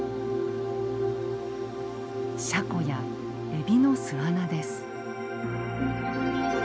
シャコやエビの巣穴です。